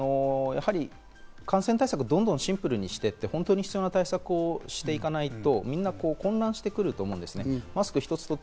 感染対策をどんどんシンプルにしていって必要な対策をしていかないと、みんな混乱してくると思うんです。